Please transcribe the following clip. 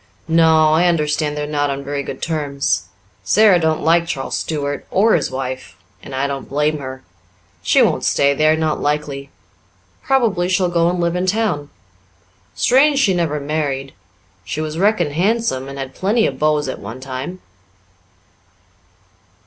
"No, I understand they're not on very good terms. Sara don't like Charles Stuart or his wife and I don't blame her. She won't stay there, not likely. Probably she'll go and live in town. Strange she never married. She was reckoned handsome, and had plenty of beaus at one time."